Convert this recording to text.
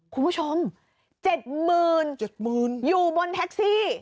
คุณผู้ชม๗๗๐๐อยู่บนแท็กซี่